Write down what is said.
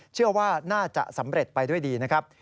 เชื่อว่าน่าจะสำเร็จไปด้วยดีนะครับ